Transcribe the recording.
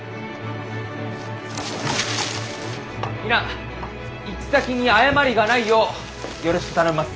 皆行き先に誤りがないようよろしく頼みます。